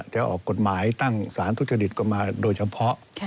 จะออกกฎหมายตั้งสารทุจริตก็มาโดยเฉพาะ